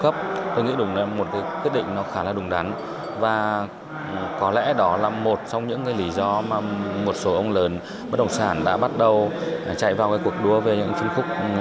phần lớn bất động sản đã bắt đầu chạy vào cuộc đua về những phân khúc